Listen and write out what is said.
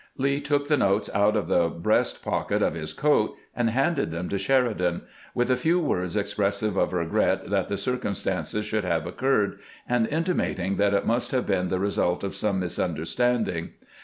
Lee took the notes out of the breast pocket of his coat, and handed them to Sheridan, with a few words expressive of regret that the circumstance should have occurred, and intimating that it must have been the result of some misunder standing.